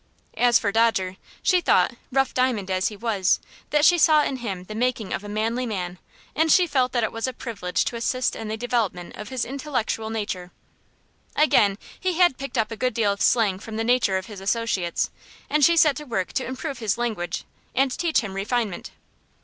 As for Dodger, she thought, rough diamond as he was, that she saw in him the making of a manly man, and she felt that it was a privilege to assist in the development of his intellectual nature. Again, he had picked up a good deal of slang from the nature of his associates, and she set to work to improve his language, and teach him refinement.